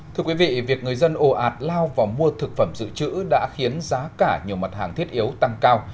thưa quý vị việc người dân ồ ạt lao vào mua thực phẩm dự trữ đã khiến giá cả nhiều mặt hàng thiết yếu tăng cao